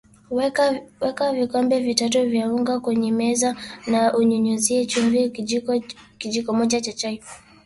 Weka vikombe vitatu vya unga kwenye meza na unyunyuzie chumvi kijiko moja cha chai